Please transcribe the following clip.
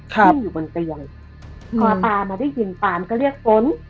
ขึ้นอยู่บนเตียงพอปานมาได้ยินปามก็เรียกฝน